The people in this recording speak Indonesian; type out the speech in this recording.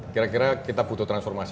kira kira kita butuh transformasi